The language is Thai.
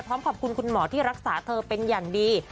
พร้อมขอบคุณคุณหมอที่รักษาเธอเป็นอย่างดี